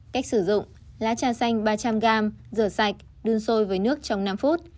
cách sử dụng lá trà xanh ba trăm linh gram rửa sạch đun sôi với nước trong năm phút